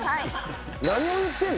何を言ってんの？